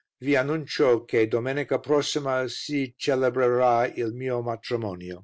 "Vi annuncio che Domenica prossima si celebrera il mio matrimonio.